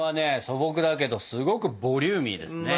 素朴だけどすごくボリューミーですね。